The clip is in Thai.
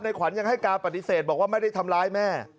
ขวัญยังให้การปฏิเสธบอกว่าไม่ได้ทำร้ายแม่